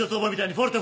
フォルテ！